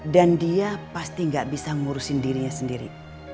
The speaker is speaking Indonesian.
dan dia pasti gak bisa ngurusin dirinya sendiri